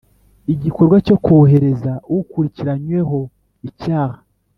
igikorwa cyo kohereza ukurikiranyweho icyaha